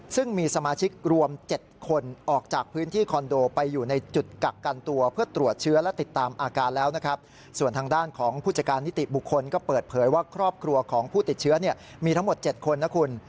บุคคลก็เปิดเผยว่าครอบครัวของผู้ติดเชื้อมีทั้งหมด๗คนนะคุณ